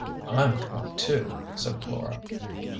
" I'm going too," said Flora.